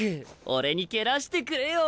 俺に蹴らしてくれよ！